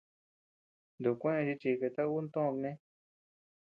Nukueʼë chi chikata ú tö kané.